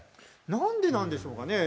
なんでなんでしょうかね。